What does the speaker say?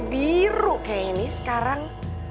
biru kayak ini sekarang